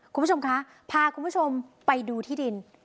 คุณผู้ชมคะพาคุณผู้ชมไปดูที่ดิน